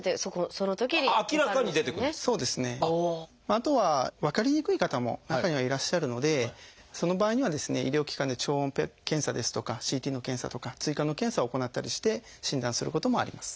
あとは分かりにくい方も中にはいらっしゃるのでその場合にはですね医療機関で超音波検査ですとかＣＴの検査とか追加の検査を行ったりして診断することもあります。